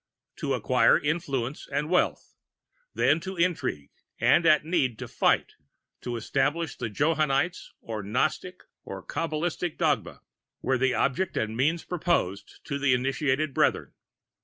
"To acquire influence and wealth, then to intrigue, and at need to fight, to establish the Johannite or Gnostic and Kabalistic dogma, were the object and means proposed to the initiated Brethren.